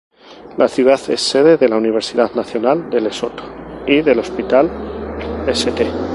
La ciudad es sede de la Universidad Nacional de Lesoto y del Hospital St.